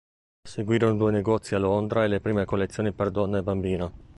Seguirono due negozi a Londra e le prime collezioni per donna e bambino.